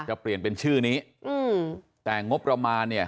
เปลี่ยนเป็นชื่อนี้อืมแต่งบประมาณเนี่ย